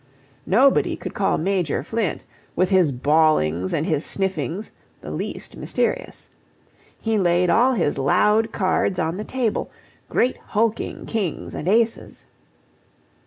Nobody could call Major Flint, with his bawlings and his sniffings, the least mysterious. He laid all his loud cards on the table, great hulking kings and aces.